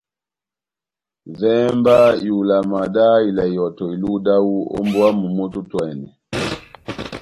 Vɛhɛ mba ihulama dá ivala ihɔtɔ iluhu dáwu ó mbówa momó tɛ́h otwɛ́nɛ́.